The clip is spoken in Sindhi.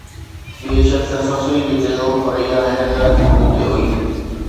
ٻئي شخص سسئيءَ کي چيو، پر اها حيرت مون تي هئي